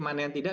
mana yang tidak